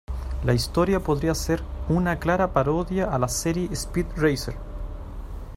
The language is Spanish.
La historia podría ser una clara parodia a la serie "Speed Racer".